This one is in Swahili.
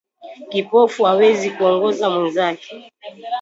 Kipofu awezi kuongoza mwenzake